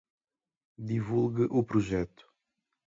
Divulgue o projeto!